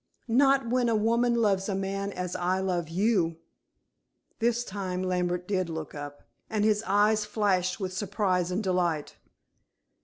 "Not when a woman loves a man as I love you." This time Lambert did look up, and his eyes flashed with surprise and delight.